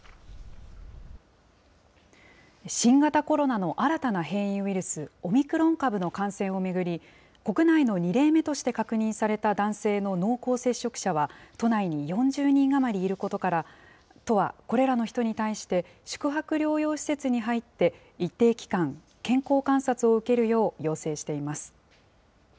新型コロナの新たな変異ウイルス、オミクロン株の感染を巡り、国内の２例目として確認された男性の濃厚接触者は都内に４０人余りいることから、都はこれらの人に対して、宿泊療養施設に入って一定期間、健康観察を受けるよう要請しています。